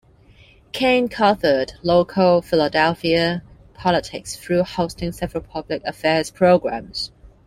Kane covered local Philadelphia politics through hosting several public affairs programs.